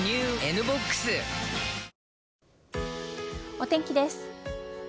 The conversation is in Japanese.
お天気です。